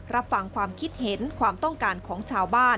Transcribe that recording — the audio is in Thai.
รับฟังความคิดเห็นความต้องการของชาวบ้าน